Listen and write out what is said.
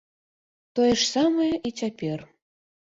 Тое ж самае і цяпер.